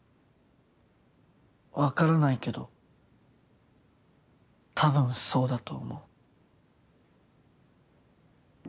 分からないけど多分そうだと思う。